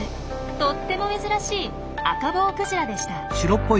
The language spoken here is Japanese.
とっても珍しいアカボウクジラでした。